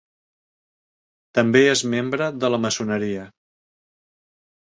També és membre de la maçoneria.